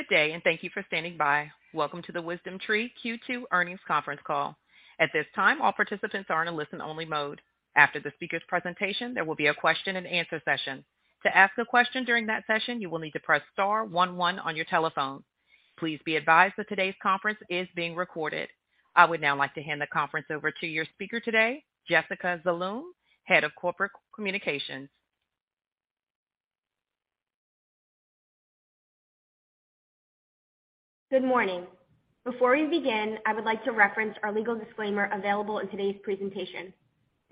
Good day, and thank you for standing by. Welcome to the WisdomTree Q2 earnings conference call. At this time, all participants are in a listen-only mode. After the speaker's presentation, there will be a question-and-answer session. To ask a question during that session, you will need to press star one one on your telephone. Please be advised that today's conference is being recorded. I would now like to hand the conference over to your speaker today, Jessica Zaloom, Head of Corporate Communications. Good morning. Before we begin, I would like to reference our legal disclaimer available in today's presentation.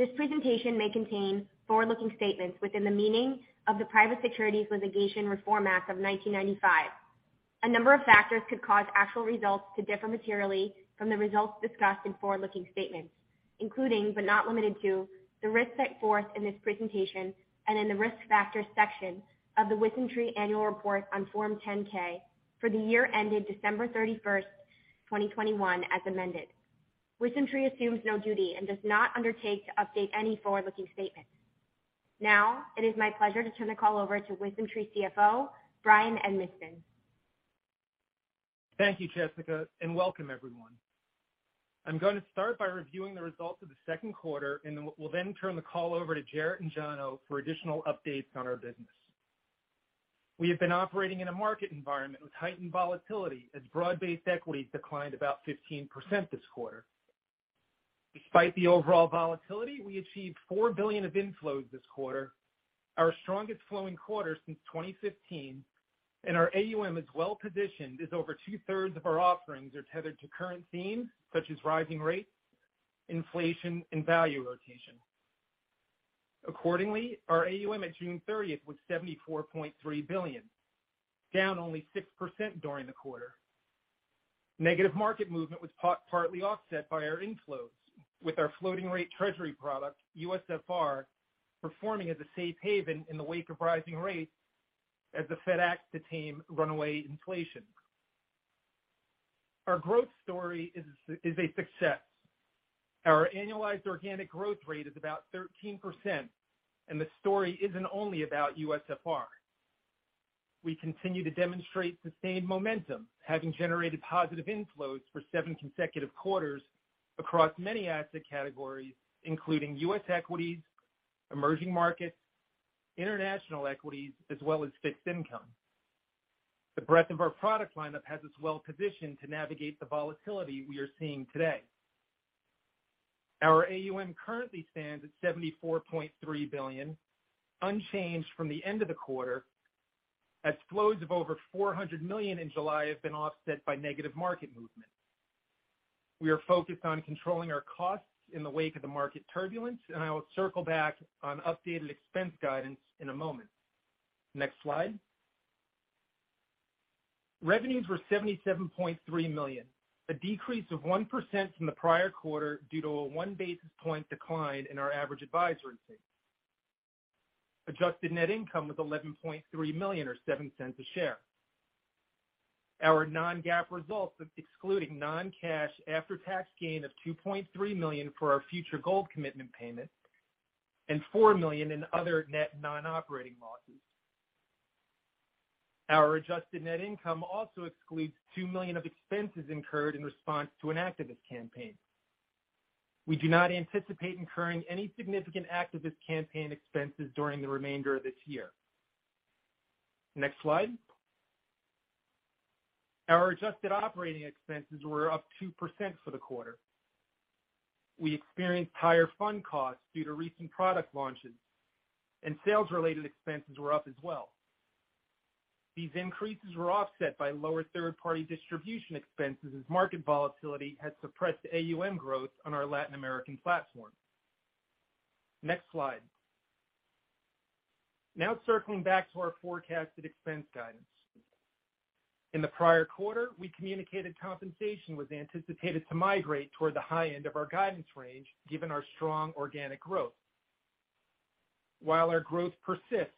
This presentation may contain forward-looking statements within the meaning of the Private Securities Litigation Reform Act of 1995. A number of factors could cause actual results to differ materially from the results discussed in forward-looking statements, including, but not limited to, the risks set forth in this presentation and in the Risk Factors section of the WisdomTree Annual Report on Form 10-K for the year ended December 31st, 2021, as amended. WisdomTree assumes no duty and does not undertake to update any forward-looking statements. Now, it is my pleasure to turn the call over to WisdomTree CFO, Bryan Edmiston. Thank you, Jessica, and welcome everyone. I'm gonna start by reviewing the results of the second quarter, and then we'll turn the call over to Jarrett and Jono for additional updates on our business. We have been operating in a market environment with heightened volatility as broad-based equities declined about 15% this quarter. Despite the overall volatility, we achieved $4 billion of inflows this quarter, our strongest flow quarter since 2015, and our AUM is well-positioned as over 2/3 of our offerings are tethered to current themes such as rising rates, inflation, and value rotation. Accordingly, our AUM at June 30 was $74.3 billion, down only 6% during the quarter. Negative market movement was partly offset by our inflows, with our Floating Rate Treasury product, USFR, performing as a safe haven in the wake of rising rates as the Fed acts to tame runaway inflation. Our growth story is a success. Our annualized organic growth rate is about 13%, and the story isn't only about USFR. We continue to demonstrate sustained momentum, having generated positive inflows for seven consecutive quarters across many asset categories, including U.S. equities, emerging markets, international equities, as well as fixed income. The breadth of our product lineup has us well positioned to navigate the volatility we are seeing today. Our AUM currently stands at $74.3 billion, unchanged from the end of the quarter, as flows of over $400 million in July have been offset by negative market movement. We are focused on controlling our costs in the wake of the market turbulence, and I will circle back on updated expense guidance in a moment. Next slide. Revenues were $77.3 million, a decrease of 1% from the prior quarter due to a 1 basis point decline in our average advisory fee. Adjusted net income was $11.3 million or $0.07 a share. Our non-GAAP results, excluding non-cash after-tax gain of $2.3 million for our future gold commitment payment and $4 million in other net non-operating losses. Our adjusted net income also excludes $2 million of expenses incurred in response to an activist campaign. We do not anticipate incurring any significant activist campaign expenses during the remainder of this year. Next slide. Our adjusted operating expenses were up 2% for the quarter. We experienced higher fund costs due to recent product launches, and sales-related expenses were up as well. These increases were offset by lower third-party distribution expenses as market volatility has suppressed AUM growth on our Latin American platform. Next slide. Now circling back to our forecasted expense guidance. In the prior quarter, we communicated compensation was anticipated to migrate toward the high end of our guidance range given our strong organic growth. While our growth persists,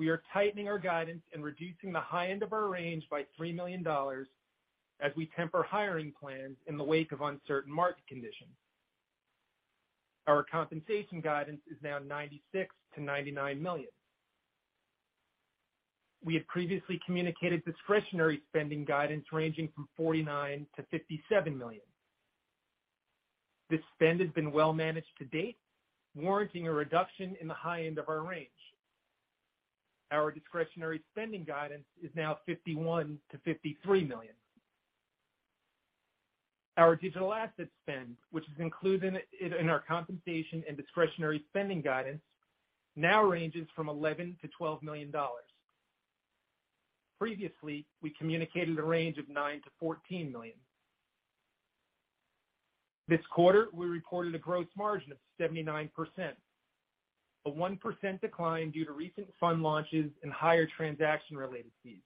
we are tightening our guidance and reducing the high end of our range by $3 million as we temper hiring plans in the wake of uncertain market conditions. Our compensation guidance is now $96 million-$99 million. We have previously communicated discretionary spending guidance ranging from $49 million-$57 million. This spend has been well managed to date, warranting a reduction in the high end of our range. Our discretionary spending guidance is now $51 million-$53 million. Our digital asset spend, which is included in our compensation and discretionary spending guidance, now ranges from $11 million-$12 million. Previously, we communicated a range of $9 million-$14 million. This quarter, we reported a gross margin of 79%, a 1% decline due to recent fund launches and higher transaction-related fees.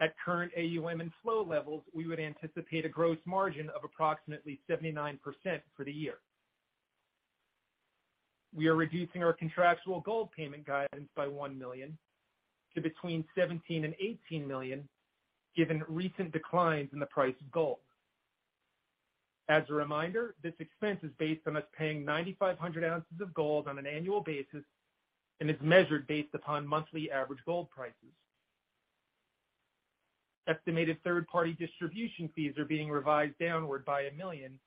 At current AUM and flow levels, we would anticipate a gross margin of approximately 79% for the year. We are reducing our contractual gold payment guidance by $1 million to between $17 million and $18 million, given recent declines in the price of gold. As a reminder, this expense is based on us paying 9,500 oz of gold on an annual basis and is measured based upon monthly average gold prices. Estimated third-party distribution fees are being revised downward by $1 million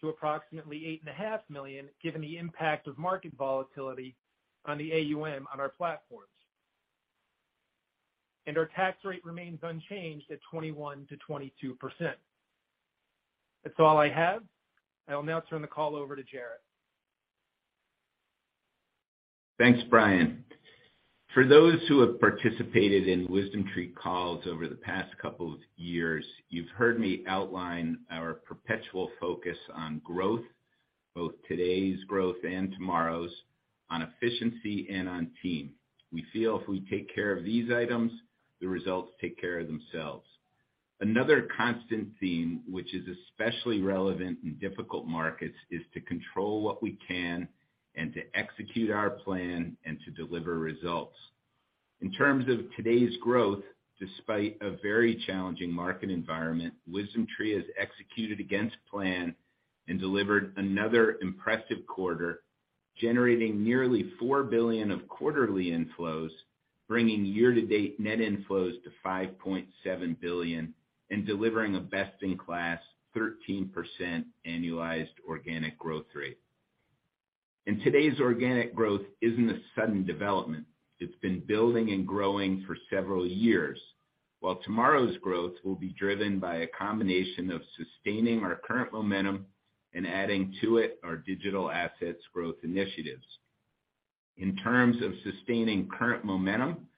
to approximately $8.5 million, given the impact of market volatility on the AUM on our platforms. Our tax rate remains unchanged at 21%-22%. That's all I have. I will now turn the call over to Jarrett. Thanks, Bryan. For those who have participated in WisdomTree calls over the past couple of years, you've heard me outline our perpetual focus on growth, both today's growth and tomorrow's, on efficiency and on team. We feel if we take care of these items, the results take care of themselves. Another constant theme, which is especially relevant in difficult markets, is to control what we can and to execute our plan and to deliver results. In terms of today's growth, despite a very challenging market environment, WisdomTree has executed against plan and delivered another impressive quarter, generating nearly $4 billion of quarterly inflows, bringing year-to-date net inflows to $5.7 billion and delivering a best-in-class 13% annualized organic growth rate. Today's organic growth isn't a sudden development. It's been building and growing for several years, while tomorrow's growth will be driven by a combination of sustaining our current momentum and adding to it our digital assets growth initiatives. In terms of sustaining current momentum,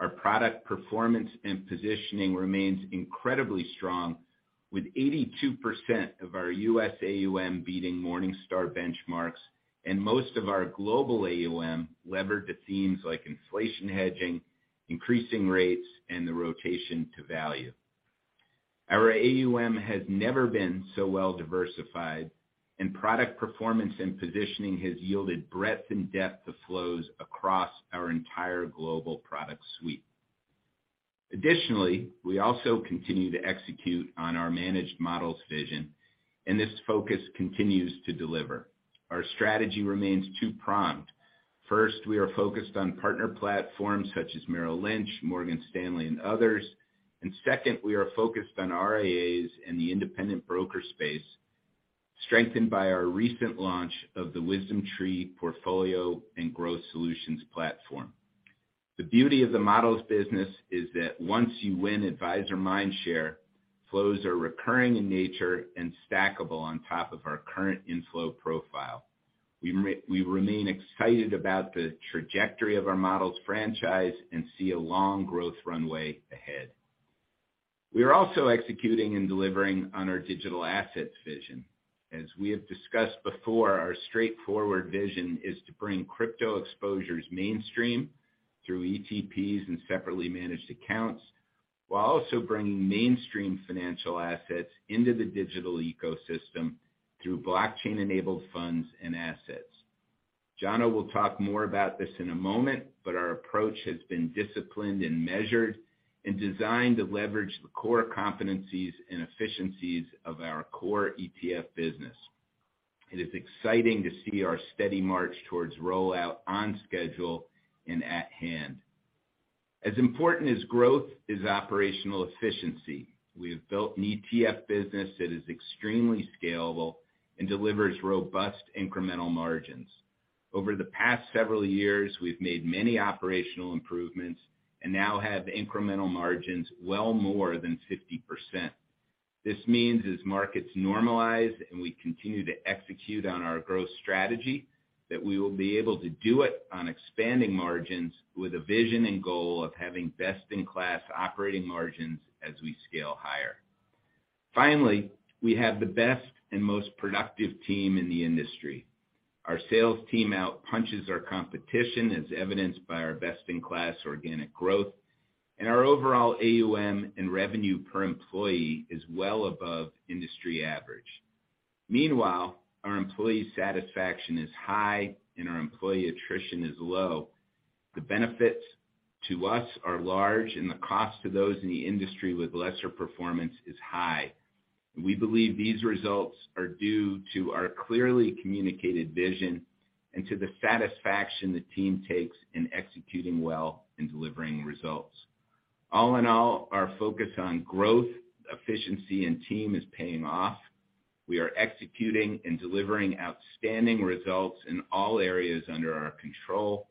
our product performance and positioning remains incredibly strong with 82% of our U.S. AUM beating Morningstar benchmarks, and most of our global AUM levered to themes like inflation hedging, increasing rates, and the rotation to value. Our AUM has never been so well diversified, and product performance and positioning has yielded breadth and depth of flows across our entire global product suite. Additionally, we also continue to execute on our managed models vision, and this focus continues to deliver. Our strategy remains two-pronged. First, we are focused on partner platforms such as Merrill Lynch, Morgan Stanley, and others. Second, we are focused on RIAs and the independent broker space, strengthened by our recent launch of the WisdomTree Portfolio and Growth Solutions platform. The beauty of the models business is that once you win advisor mind share, flows are recurring in nature and stackable on top of our current inflow profile. We remain excited about the trajectory of our models franchise and see a long growth runway ahead. We are also executing and delivering on our digital assets vision. As we have discussed before, our straightforward vision is to bring crypto exposures mainstream through ETPs and separately managed accounts, while also bringing mainstream financial assets into the digital ecosystem through blockchain-enabled funds and assets. Jono will talk more about this in a moment, but our approach has been disciplined and measured and designed to leverage the core competencies and efficiencies of our core ETF business. It is exciting to see our steady march towards rollout on schedule and at hand. As important as growth is operational efficiency. We have built an ETF business that is extremely scalable and delivers robust incremental margins. Over the past several years, we've made many operational improvements and now have incremental margins well more than 50%. This means as markets normalize and we continue to execute on our growth strategy, that we will be able to do it on expanding margins with a vision and goal of having best-in-class operating margins as we scale higher. Finally, we have the best and most productive team in the industry. Our sales team out-punches our competition, as evidenced by our best-in-class organic growth, and our overall AUM and revenue per employee is well above industry average. Meanwhile, our employee satisfaction is high and our employee attrition is low. The benefits to us are large, and the cost to those in the industry with lesser performance is high. We believe these results are due to our clearly communicated vision and to the satisfaction the team takes in executing well and delivering results. All in all, our focus on growth, efficiency, and team is paying off. We are executing and delivering outstanding results in all areas under our control.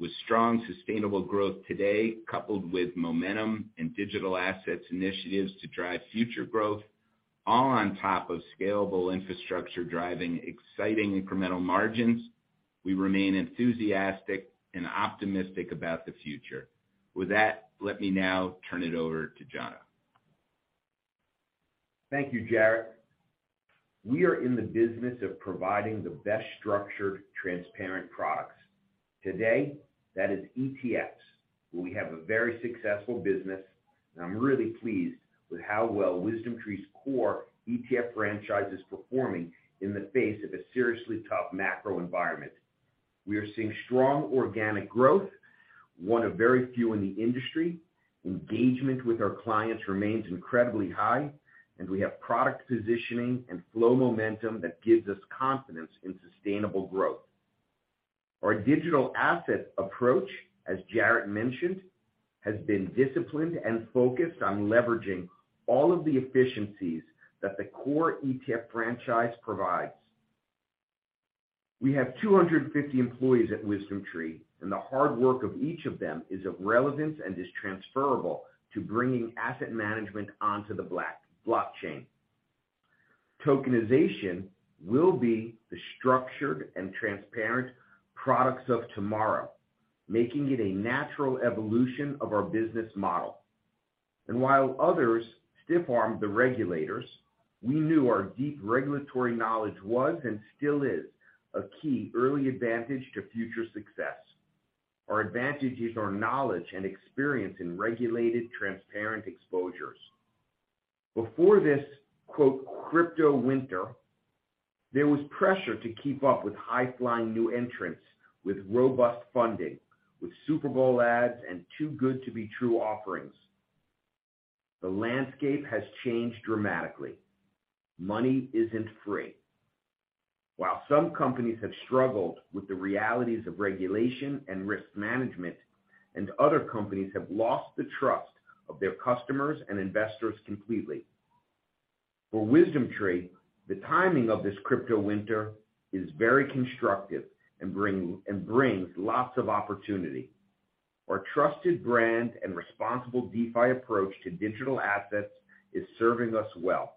With strong, sustainable growth today, coupled with momentum and digital assets initiatives to drive future growth, all on top of scalable infrastructure driving exciting incremental margins, we remain enthusiastic and optimistic about the future. With that, let me now turn it over to Jono. Thank you, Jarrett. We are in the business of providing the best structured, transparent products. Today, that is ETFs, where we have a very successful business, and I'm really pleased with how well WisdomTree's core ETF franchise is performing in the face of a seriously tough macro environment. We are seeing strong organic growth, one of very few in the industry. Engagement with our clients remains incredibly high, and we have product positioning and flow momentum that gives us confidence in sustainable growth. Our digital asset approach, as Jarrett mentioned, has been disciplined and focused on leveraging all of the efficiencies that the core ETF franchise provides. We have 250 employees at WisdomTree, and the hard work of each of them is of relevance and is transferable to bringing asset management onto the blockchain. Tokenization will be the structured and transparent products of tomorrow, making it a natural evolution of our business model. While others stiff-armed the regulators, we knew our deep regulatory knowledge was, and still is, a key early advantage to future success. Our advantage is our knowledge and experience in regulated, transparent exposures. Before this, quote, crypto winter, there was pressure to keep up with high-flying new entrants, with robust funding, with Super Bowl ads and too-good-to-be-true offerings. The landscape has changed dramatically. Money isn't free. While some companies have struggled with the realities of regulation and risk management, and other companies have lost the trust of their customers and investors completely. For WisdomTree, the timing of this crypto winter is very constructive and brings lots of opportunity. Our trusted brand and responsible DeFi approach to digital assets is serving us well.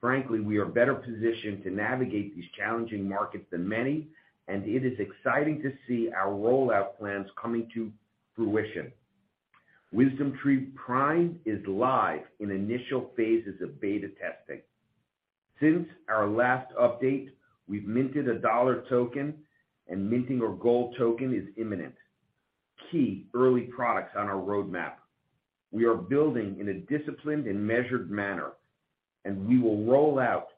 Frankly, we are better positioned to navigate these challenging markets than many, and it is exciting to see our rollout plans coming to fruition. WisdomTree Prime is live in initial phases of beta testing. Since our last update, we've minted a Dollar Token, and minting our Gold Token is imminent, key early products on our roadmap. We are building in a disciplined and measured manner, and we will roll out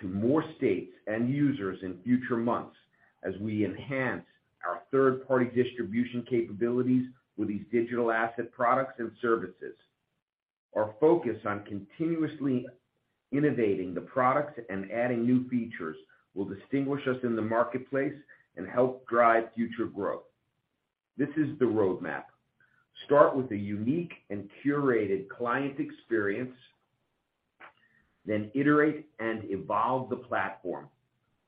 to more states and users in future months as we enhance our third-party distribution capabilities with these digital asset products and services. Our focus on continuously innovating the products and adding new features will distinguish us in the marketplace and help drive future growth. This is the roadmap. Start with a unique and curated client experience, then iterate and evolve the platform.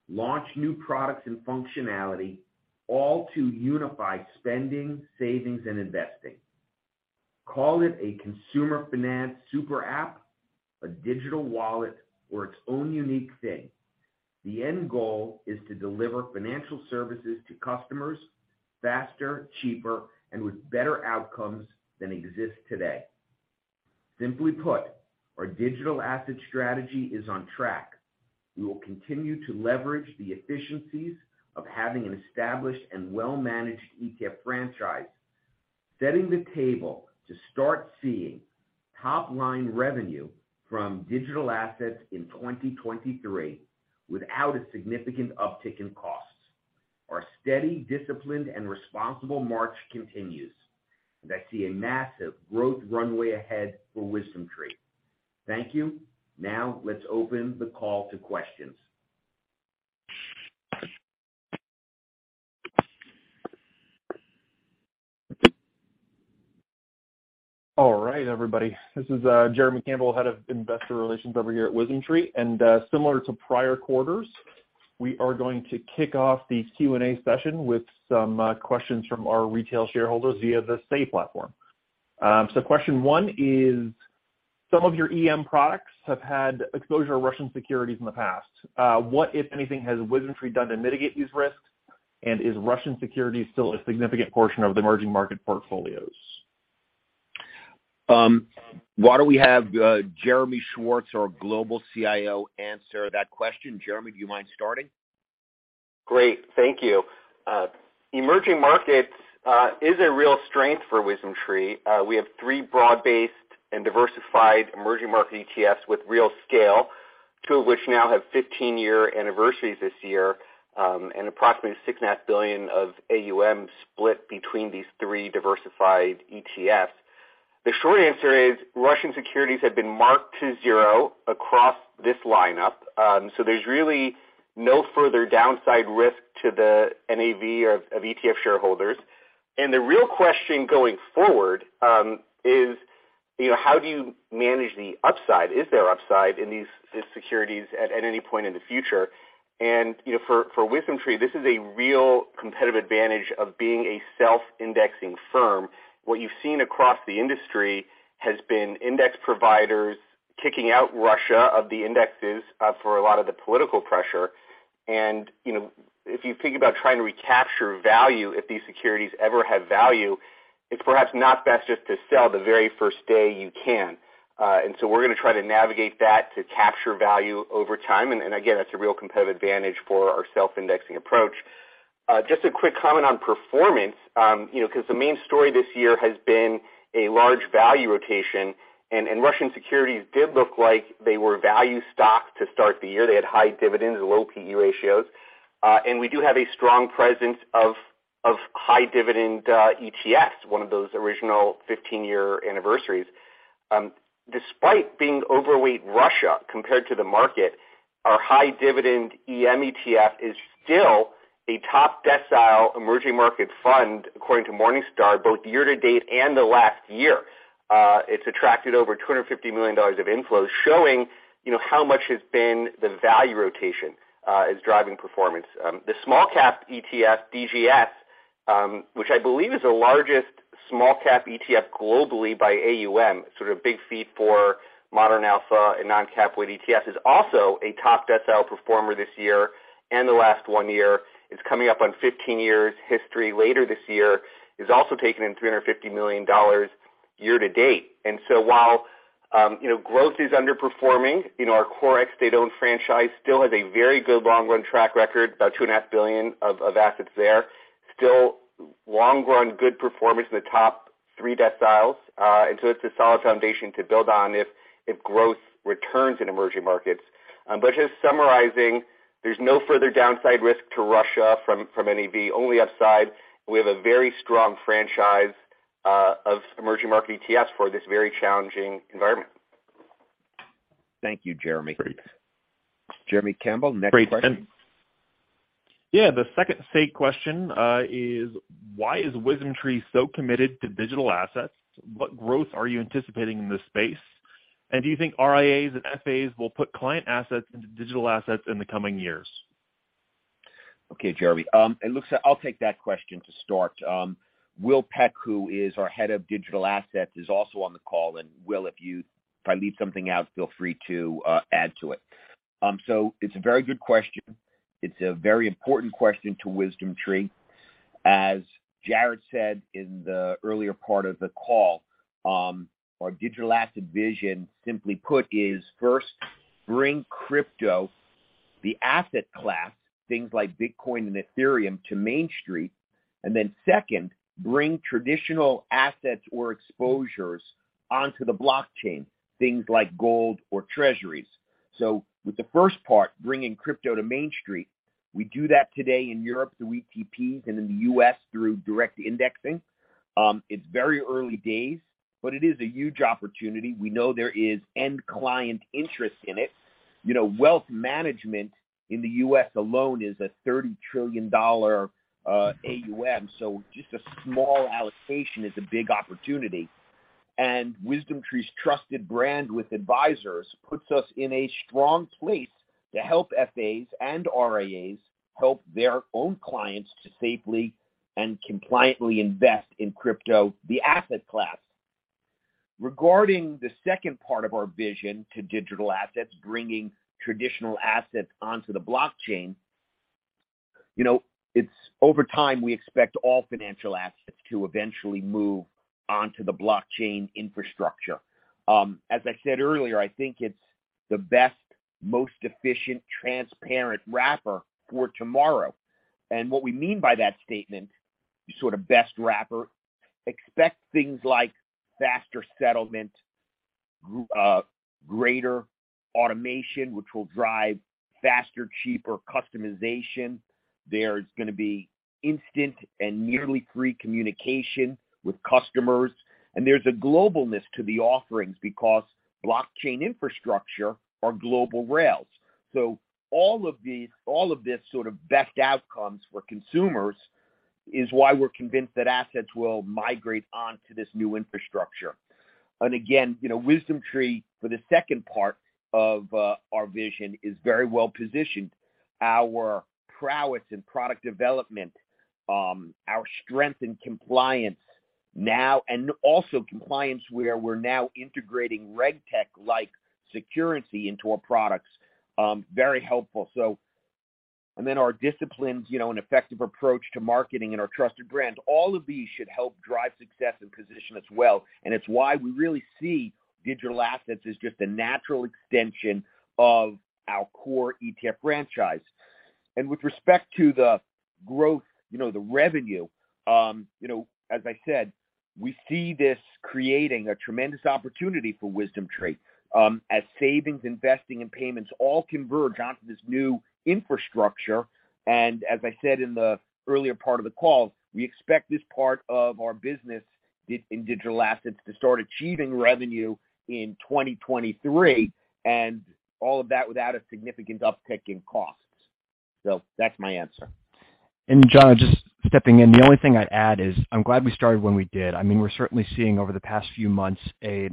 Launch new products and functionality, all to unify spending, savings, and investing. Call it a consumer finance super app, a digital wallet or its own unique thing. The end goal is to deliver financial services to customers faster, cheaper, and with better outcomes than exist today. Simply put, our digital asset strategy is on track. We will continue to leverage the efficiencies of having an established and well-managed ETF franchise, setting the table to start seeing top-line revenue from digital assets in 2023 without a significant uptick in costs. Our steady, disciplined, and responsible march continues, and I see a massive growth runway ahead for WisdomTree. Thank you. Now let's open the call to questions. All right, everybody. This is Jeremy Campbell, Head of Investor Relations over here at WisdomTree. Similar to prior quarters, we are going to kick off the Q&A session with some questions from our retail shareholders via the Say platform. Question one is, some of your EM products have had exposure to Russian securities in the past. What, if anything, has WisdomTree done to mitigate these risks? And is Russian securities still a significant portion of the emerging market portfolios? Why don't we have Jeremy Schwartz, our Global CIO, answer that question. Jeremy, do you mind starting? Great. Thank you. Emerging markets is a real strength for WisdomTree. We have three broad-based and diversified emerging market ETFs with real scale, two of which now have 15-year anniversaries this year, and approximately $6.5 billion of AUM split between these three diversified ETFs. The short answer is Russian securities have been marked to zero across this lineup, so there's really no further downside risk to the NAV of ETF shareholders. The real question going forward is, you know, how do you manage the upside? Is there upside in these securities at any point in the future? You know, for WisdomTree, this is a real competitive advantage of being a self-indexing firm. What you've seen across the industry has been index providers kicking out Russia of the indexes for a lot of the political pressure. You know, if you think about trying to recapture value if these securities ever have value, it's perhaps not best just to sell the very first day you can. We're gonna try to navigate that to capture value over time. Again, that's a real competitive advantage for our self-indexing approach. Just a quick comment on performance. You know, 'cause the main story this year has been a large value rotation, and Russian securities did look like they were value stocks to start the year. They had high dividends and low PE ratios. We do have a strong presence of high dividend ETFs, one of those original 15-year anniversaries. Despite being overweight Russia compared to the market, our high dividend EM ETF is still a top decile emerging market fund according to Morningstar, both year-to-date and the last year. It's attracted over $250 million of inflows, showing, you know, how much has been the value rotation is driving performance. The small cap ETF, DGS, which I believe is the largest small cap ETF globally by AUM, sort of big feat for modern alpha and non-cap-weighted ETF, is also a top decile performer this year and the last one year. It's coming up on 15 years history later this year. It's also taken in $350 million year-to-date. While, you know, growth is underperforming, you know, our core state-owned franchise still has a very good long run track record, about $2.5 billion of assets there. Still long run good performance in the top three deciles. It's a solid foundation to build on if growth returns in emerging markets. Just summarizing, there's no further downside risk to Russia from NAV, only upside. We have a very strong franchise of emerging market ETFs for this very challenging environment. Thank you, Jeremy. Jeremy Campbell, next question. Yeah. The second straight question is why is WisdomTree so committed to digital assets? What growth are you anticipating in this space? Do you think RIAs and FAs will put client assets into digital assets in the coming years? Okay, Jeremy. It looks like I'll take that question to start. Will Peck, who is our Head of Digital Assets, is also on the call. Will, if I leave something out, feel free to add to it. It's a very good question. It's a very important question to WisdomTree. As Jarrett said in the earlier part of the call, our digital asset vision, simply put, is first, bring crypto, the asset class, things like Bitcoin and Ethereum, to Main Street. Then second, bring traditional assets or exposures onto the blockchain, things like gold or treasuries. With the first part, bringing crypto to Main Street, we do that today in Europe through ETPs and in the U.S. through direct indexing. It's very early days, but it is a huge opportunity. We know there is end client interest in it. You know, wealth management in the U.S. alone is a $30 trillion AUM, so just a small allocation is a big opportunity. WisdomTree's trusted brand with advisors puts us in a strong place to help FAs and RIAs help their own clients to safely and compliantly invest in crypto, the asset class. Regarding the second part of our vision to digital assets, bringing traditional assets onto the blockchain, you know, it's over time, we expect all financial assets to eventually move onto the blockchain infrastructure. As I said earlier, I think it's the best, most efficient, transparent wrapper for tomorrow. What we mean by that statement, sort of best wrapper, expect things like faster settlement, greater automation, which will drive faster, cheaper customization. There's gonna be instant and nearly free communication with customers. There's a globalness to the offerings because blockchain infrastructure are global rails. All of these, all of this sort of best outcomes for consumers is why we're convinced that assets will migrate onto this new infrastructure. Again, you know, WisdomTree, for the second part of our vision, is very well positioned. Our prowess in product development, our strength in compliance now, and also compliance where we're now integrating RegTech like Securrency into our products, very helpful. And then our disciplines, you know, an effective approach to marketing and our trusted brands, all of these should help drive success and position as well. It's why we really see digital assets as just a natural extension of our core ETF franchise. With respect to the growth, you know, the revenue, you know, as I said, we see this creating a tremendous opportunity for WisdomTree, as savings, investing, and payments all converge onto this new infrastructure. As I said in the earlier part of the call, we expect this part of our business in digital assets to start achieving revenue in 2023, and all of that without a significant uptick in costs. That's my answer. Jono, just stepping in, the only thing I'd add is I'm glad we started when we did. I mean, we're certainly seeing over the past few months a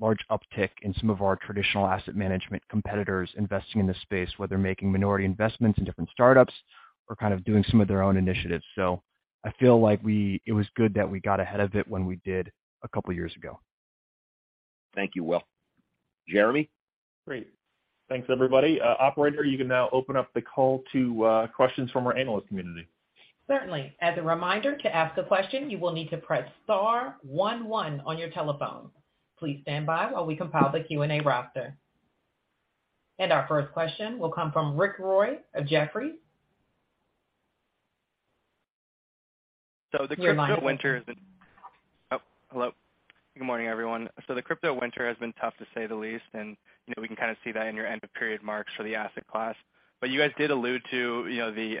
large uptick in some of our traditional asset management competitors investing in this space, whether making minority investments in different startups or kind of doing some of their own initiatives. I feel like it was good that we got ahead of it when we did a couple years ago. Thank you, Will. Jeremy? Great. Thanks, everybody. Operator, you can now open up the call to questions from our analyst community. Certainly. As a reminder, to ask a question, you will need to press star one one on your telephone. Please stand by while we compile the Q&A roster. Our first question will come from Rick Roy of Jefferies. Oh, hello. Good morning, everyone. The crypto winter has been tough to say the least, and, you know, we can kind of see that in your end-of-period marks for the asset class. You guys did allude to, you know, the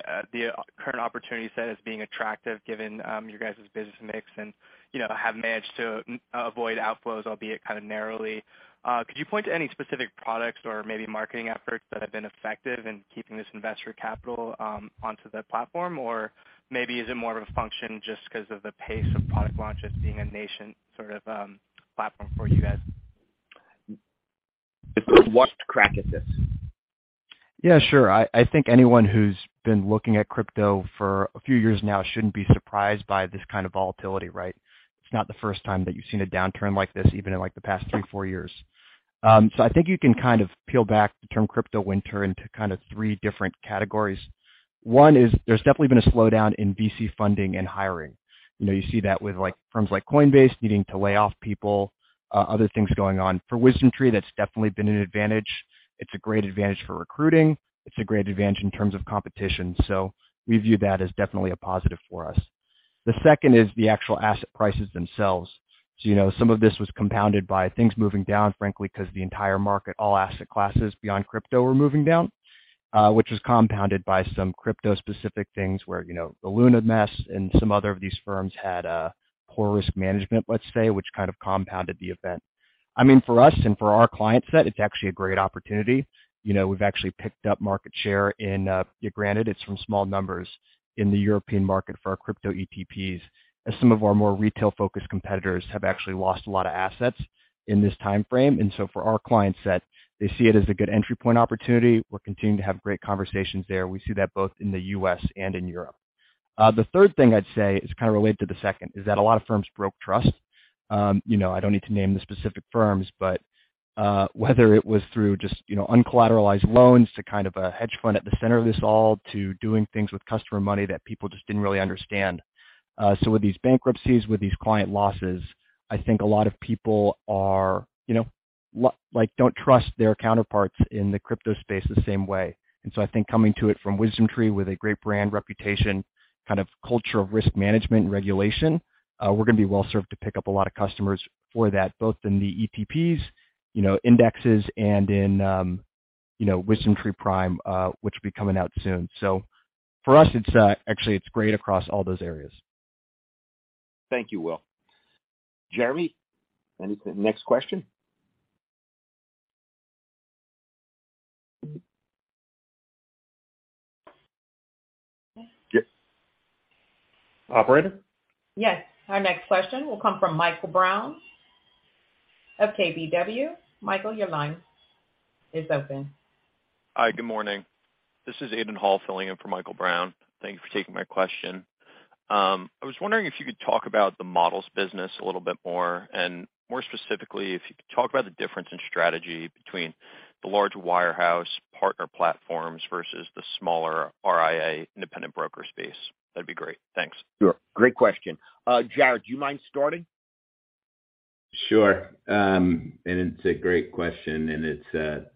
current opportunity set as being attractive given you guys' business mix and, you know, have managed to avoid outflows, albeit kind of narrowly. Could you point to any specific products or maybe marketing efforts that have been effective in keeping this investor capital onto the platform? Or maybe is it more of a function just 'cause of the pace of product launches being an Asian sort of platform for you guys? If Will Peck wants to crack at this. Yeah, sure. I think anyone who's been looking at crypto for a few years now shouldn't be surprised by this kind of volatility, right? It's not the first time that you've seen a downturn like this, even in, like, the past three, four years. So I think you can kind of peel back the term crypto winter into kind of three different categories. One is there's definitely been a slowdown in VC funding and hiring. You know, you see that with, like, firms like Coinbase needing to lay off people, other things going on. For WisdomTree, that's definitely been an advantage. It's a great advantage for recruiting. It's a great advantage in terms of competition. So we view that as definitely a positive for us. The second is the actual asset prices themselves. You know, some of this was compounded by things moving down, frankly, 'cause the entire market, all asset classes beyond crypto were moving down, which was compounded by some crypto specific things where, you know, the LUNA mess and some other of these firms had a poor risk management, let's say, which kind of compounded the event. I mean, for us and for our client set, it's actually a great opportunity. You know, we've actually picked up market share in, granted it's from small numbers in the European market for our crypto ETPs, as some of our more retail-focused competitors have actually lost a lot of assets in this timeframe. For our client set, they see it as a good entry point opportunity. We're continuing to have great conversations there. We see that both in the U.S. and in Europe. The third thing I'd say is kind of related to the second, is that a lot of firms broke trust. You know, I don't need to name the specific firms, but whether it was through just, you know, uncollateralized loans to kind of a hedge fund at the center of this all to doing things with customer money that people just didn't really understand. With these bankruptcies, with these client losses, I think a lot of people are, you know, like, don't trust their counterparts in the crypto space the same way. I think coming to it from WisdomTree with a great brand reputation, kind of culture of risk management and regulation, we're gonna be well-served to pick up a lot of customers for that, both in the ETPs, you know, indexes and in, you know, WisdomTree Prime, which will be coming out soon. For us, it's great across all those areas. Thank you, Will. Jeremy, anything? Next question. Operator? Yes. Our next question will come from Mike Brown of KBW. Michael, your line is open. Hi, good morning. This is Aidan Hall filling in for Michael Brown. Thank you for taking my question. I was wondering if you could talk about the models business a little bit more, and more specifically, if you could talk about the difference in strategy between the large wirehouse partner platforms versus the smaller RIA independent broker space. That'd be great. Thanks. Sure. Great question. Jarrett, do you mind starting? Sure. It's a great question, and it's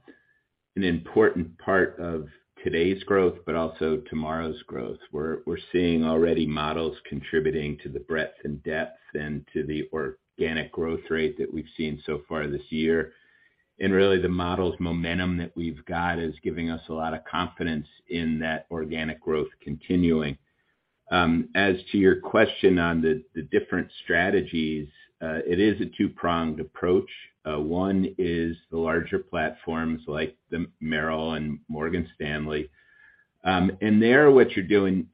an important part of today's growth, but also tomorrow's growth. We're seeing already models contributing to the breadth and depth and to the organic growth rate that we've seen so far this year. Really the models momentum that we've got is giving us a lot of confidence in that organic growth continuing. As to your question on the different strategies, it is a two-pronged approach. One is the larger platforms like Merrill Lynch and Morgan Stanley. And there what you're doing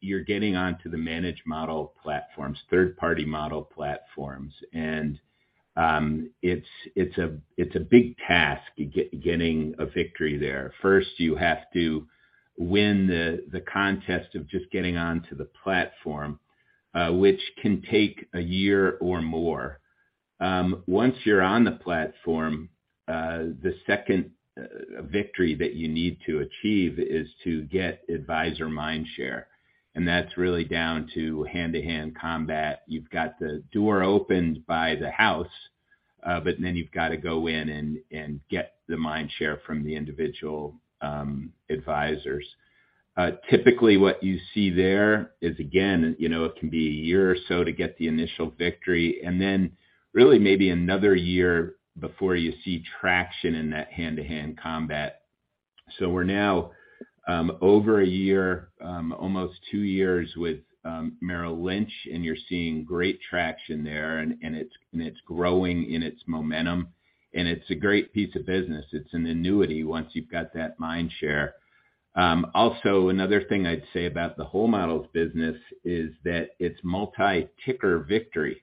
you're getting onto the managed model platforms, third-party model platforms. It's a big task getting a victory there. First, you have to win the contest of just getting onto the platform, which can take a year or more. Once you're on the platform, the second victory that you need to achieve is to get advisor mind share, and that's really down to hand-to-hand combat. You've got the door opened by the house, but then you've got to go in and get the mind share from the individual advisors. Typically what you see there is, again, you know, it can be a year or so to get the initial victory, and then really maybe another year before you see traction in that hand-to-hand combat. We're now over a year, almost two years with Merrill Lynch, and you're seeing great traction there, and it's growing in its momentum. It's a great piece of business. It's an annuity once you've got that mind share. Also another thing I'd say about the whole models business is that it's multi-ticker victory.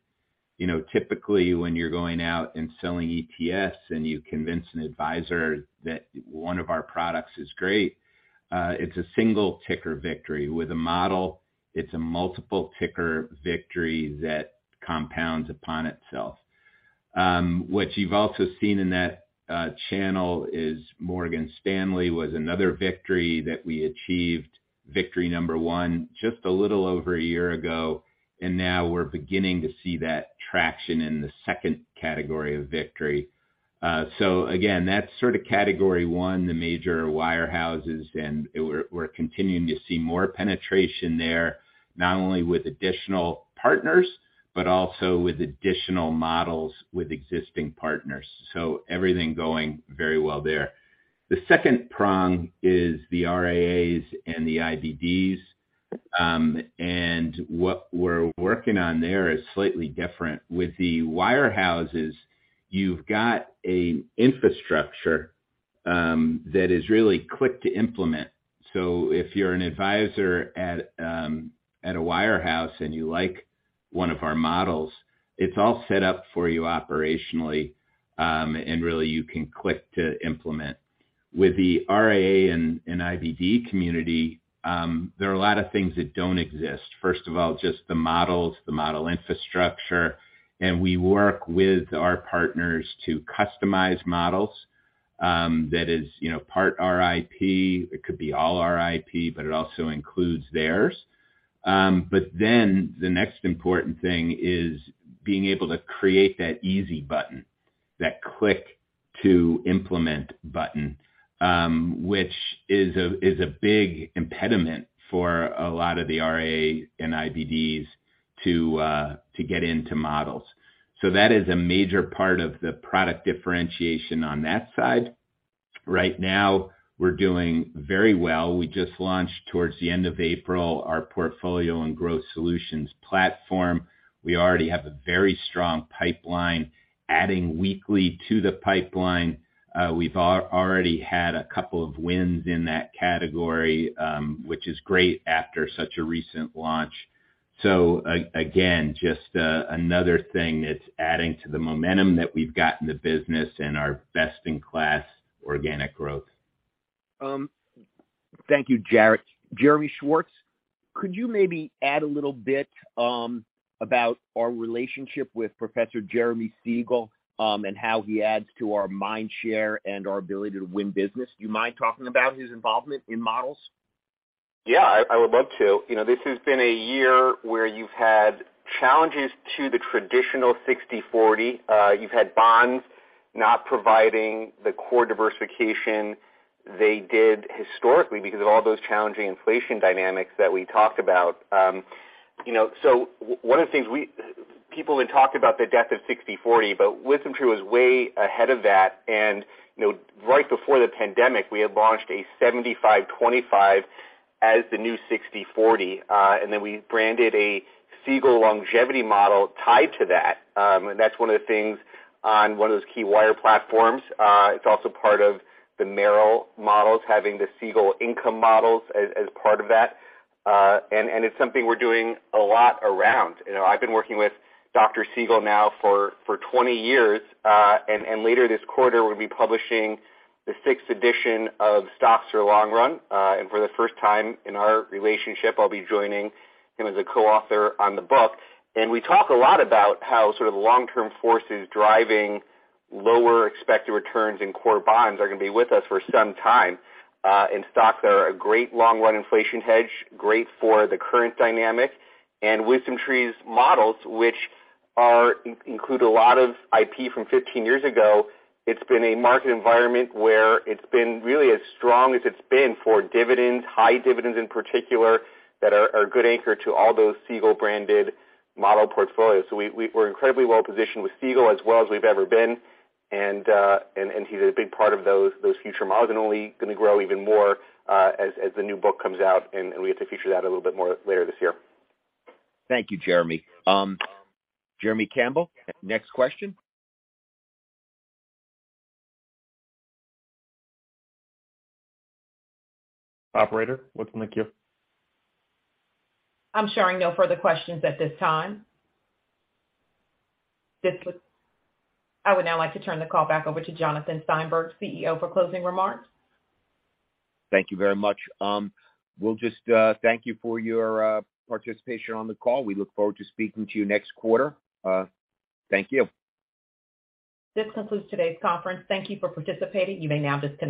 You know, typically, when you're going out and selling ETFs and you convince an advisor that one of our products is great, it's a single ticker victory. With a model, it's a multiple ticker victory that compounds upon itself. What you've also seen in that channel is Morgan Stanley was another victory that we achieved, victory number one, just a little over a year ago, and now we're beginning to see that traction in the second category of victory. Again, that's sort of category one, the major wirehouses, and we're continuing to see more penetration there, not only with additional partners, but also with additional models with existing partners. Everything going very well there. The second prong is the RIAs and the IBDs. What we're working on there is slightly different. With the wirehouses, you've got an infrastructure that is really quick to implement. So if you're an advisor at a wirehouse and you like one of our models, it's all set up for you operationally, and really you can click-to-implement. With the RIA and IBD community, there are a lot of things that don't exist. First of all, just the models, the model infrastructure, and we work with our partners to customize models, that is, you know, part of our IP. It could be all our IP, but it also includes theirs. The next important thing is being able to create that easy button, that click to implement button, which is a big impediment for a lot of the RIAs and IBDs to get into models. That is a major part of the product differentiation on that side. Right now, we're doing very well. We just launched, towards the end of April, our Portfolio and Growth Solutions platform. We already have a very strong pipeline, adding weekly to the pipeline. We've already had a couple of wins in that category, which is great after such a recent launch. Again, just another thing that's adding to the momentum that we've got in the business and our best in class organic growth. Thank you, Jarrett. Jeremy Schwartz, could you maybe add a little bit about our relationship with Professor Jeremy Siegel, and how he adds to our mind share and our ability to win business? Do you mind talking about his involvement in models? Yeah, I would love to. You know, this has been a year where you've had challenges to the traditional 60/40. You've had bonds not providing the core diversification they did historically because of all those challenging inflation dynamics that we talked about. You know, one of the things. People had talked about the death of 60/40, but WisdomTree was way ahead of that. You know, right before the pandemic, we had launched a 75/25 as the new 60/40, and then we branded a Siegel Longevity Model tied to that. That's one of the things on one of those key wirehouse platforms. It's also part of the Merrill Lynch models, having the Siegel income models as part of that. And it's something we're doing a lot around. You know, I've been working with Dr. Siegel now for 20 years. Later this quarter, we'll be publishing the sixth edition of Stocks for the Long Run. For the first time in our relationship, I'll be joining him as a co-author on the book. We talk a lot about how sort of long-term forces driving lower expected returns in core bonds are gonna be with us for some time. Stocks are a great long run inflation hedge, great for the current dynamic. WisdomTree's models, which include a lot of IP from 15 years ago, it's been a market environment where it's been really as strong as it's been for dividends, high dividends in particular, that are a good anchor to all those Siegel-branded model portfolios. We're incredibly well-positioned with Siegel as well as we've ever been. He's a big part of those future models and only gonna grow even more as the new book comes out and we get to feature that a little bit more later this year. Thank you, Jeremy. Jeremy Campbell, next question. Operator, what's in the queue? I'm showing no further questions at this time. I would now like to turn the call back over to Jonathan Steinberg, CEO, for closing remarks. Thank you very much. We'll just thank you for your participation on the call. We look forward to speaking to you next quarter. Thank you. This concludes today's conference. Thank you for participating. You may now disconnect.